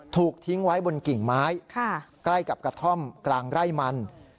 ถูกทิ้งไว้บนกิ่งไม้ใกล้กับกระท่อมกลางไร่มัน